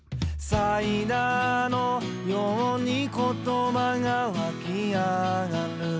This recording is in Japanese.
「サイダーのように言葉が湧き上がる」